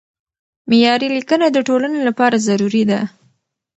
معیاري لیکنه د ټولنې لپاره ضروري ده.